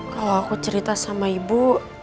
kalau aku cerita sama ibu